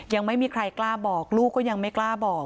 ยังไม่มีใครกล้าบอกลูกก็ยังไม่กล้าบอก